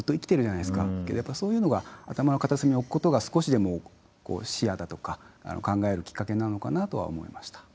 そういうのが頭の片隅に置くことが少しでも視野だとか考えるきっかけになるのかなとは思いました。